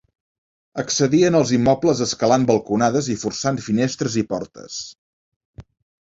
Accedien els immobles escalant balconades i forçant finestres i portes.